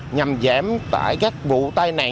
nhằm giảm tải các vụ tai nạn